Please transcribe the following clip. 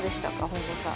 本郷さん。